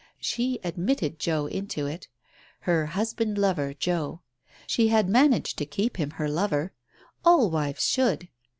She admitted Joe into it. Her husband lover, Joe. She had managed to keep him her lover. All wives should.